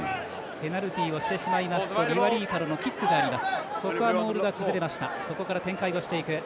ペナルティをしてしまいますとリアリーファノのキックがあります。